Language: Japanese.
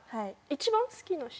一番好きな人。